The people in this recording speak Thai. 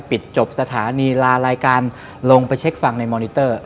จบสถานีลารายการลงไปเช็คฟังในมอนิเตอร์